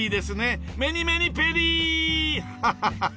ハハハハハ。